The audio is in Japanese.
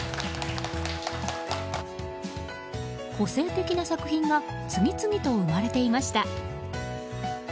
個性的な作品が次々と生まれていました。